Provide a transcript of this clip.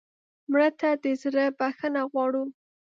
مړه ته د زړه بښنه غواړو